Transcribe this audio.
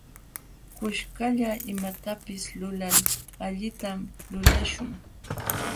Kuskalla imatapis lulal allintam lulaśhun.